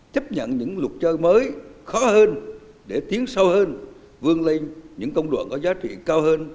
chấp nhận những luật chơi mới khó hơn để tiến sâu hơn vươn lên những công đoạn có giá trị cao hơn